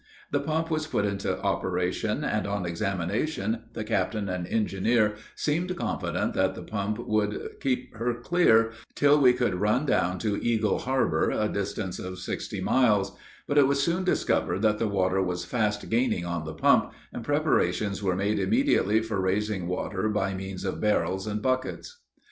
The pump was put into operation, and on examination the captain and engineer seemed confident that the pump would keep her clear till we could run down to Eagle harbor, a distance of sixty miles; but it was soon discovered, that the water was fast gaining on the pump, and preparations were made immediately for raising water by means of barrels and buckets.